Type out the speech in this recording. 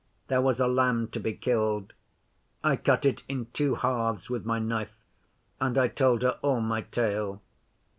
There was a lamb to be killed. I cut it in two halves with my knife, and I told her all my tale.